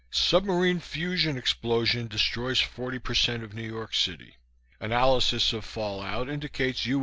Submarine fusion explosion destroys 40% of New York City. Analysis of fallout indicates U.